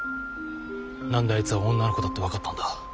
何であいつは女の子だって分かったんだ？